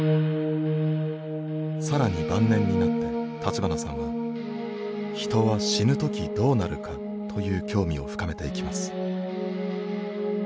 更に晩年になって立花さんは「ヒトは死ぬ時どうなるか」という興味を深めていきます。